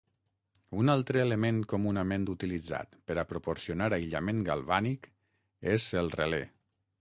Un altre element comunament utilitzat per a proporcionar aïllament galvànic és el relé.